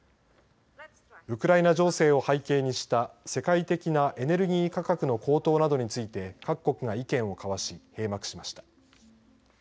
ウクライナ情勢を背景にした世界的なエネルギー価格の高騰などについて各国が意見を交わし閉幕しました。